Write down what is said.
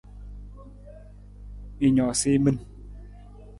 I noosa i min.